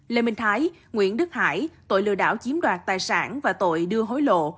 lê minh thái nguyễn đức hải tội lừa đảo chiếm đoạt tài sản và tội đưa hối lộ